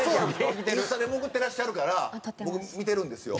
インスタで潜ってらっしゃるから僕見てるんですよ。